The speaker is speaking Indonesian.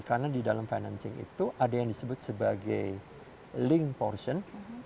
karena di dalam financing itu ada yang disebut sebagai link portion